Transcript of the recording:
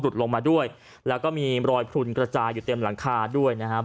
ลงมาด้วยแล้วก็มีรอยพลุนกระจายอยู่เต็มหลังคาด้วยนะครับ